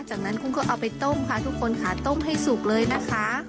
จากนั้นกุ้งก็เอาไปต้มค่ะทุกคนค่ะต้มให้สุกเลยนะคะ